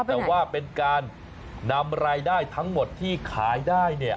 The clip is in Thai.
แต่ว่าเป็นการนำรายได้ทั้งหมดที่ขายได้